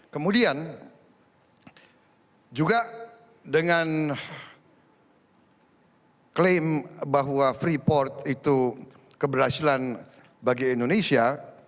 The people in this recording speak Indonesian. kemudian juga dengan klaim bahwa freeport itu keberhasilan bagi indonesia